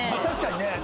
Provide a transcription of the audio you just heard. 確かにね。